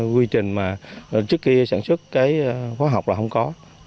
quy trình mà trước kia sản xuất cái khóa học là không có